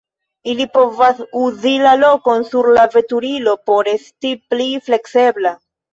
Ili povas uzi la lokon sur la veturilo por esti pli fleksebla.